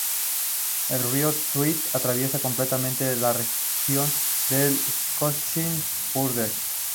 El río Tweed atraviesa completamente la región de los Scottish Borders.